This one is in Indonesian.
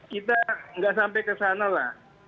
kita nggak sampai ke sana lah